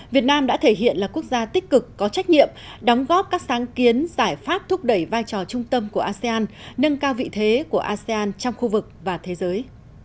việt nam đã thể hiện là quốc gia tích cực có trách nhiệm đóng góp các sáng kiến giải pháp thúc đẩy vai trò trung tâm của asean nâng cao vị thế của asean trong khu vực và thế giới